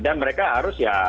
dan mereka harus ya